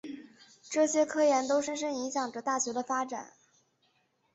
这些科研都深深影响着大学的发展。